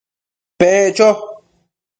Pec cho